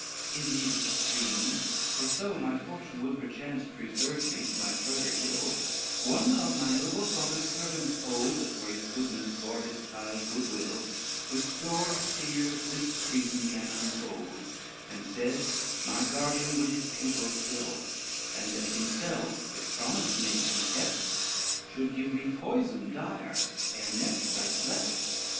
LII "In these extremes, for so my fortune would Perchance preserve me to my further ill, One of my noble father's servants old, That for his goodness bore his child good will, With store of tears this treason gan unfold, And said; my guardian would his pupil kill, And that himself, if promise made be kept, Should give me poison dire ere next I slept.